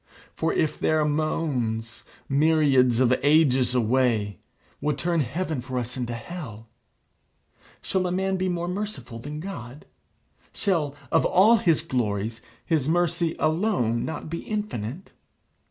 For if their moans, myriads of ages away, would turn heaven for us into hell shall a man be more merciful than God? Shall, of all his glories, his mercy alone not be infinite?